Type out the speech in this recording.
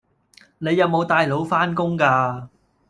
你有冇帶腦返工㗎